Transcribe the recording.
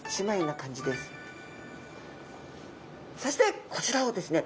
そしてこちらをですね